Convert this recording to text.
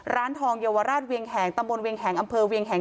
ร้านทองเยาวราชเวียงแหงตำบลเวียงแหงอำเภอเวียงแหง